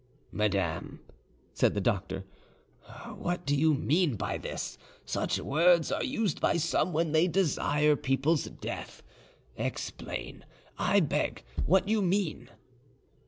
"Madame," said the doctor, "what mean you by this? Such words are used by some when they desire people's death. Explain, I beg, what you mean."